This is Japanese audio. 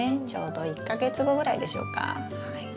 ちょうど１か月後ぐらいでしょうか。